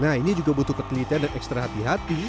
nah ini juga butuh ketelitian dan ekstra hati hati